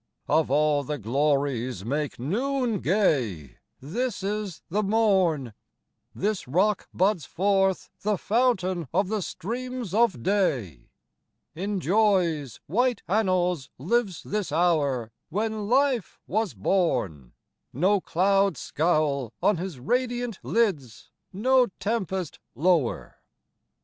Of all the glories make noone gay, This is the Morne ; This Rock buds forth the fountaine of the streames of Day; In joyes white annalls lives this houre When life was borne, No cloud scoule on His radiant lids, no tempest lower.